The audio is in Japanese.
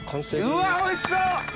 うわおいしそう！